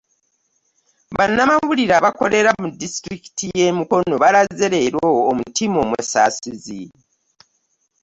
Bannamawulire abakolera mu disitulikiti y'eMukono balaze leero omutima omusaasizi.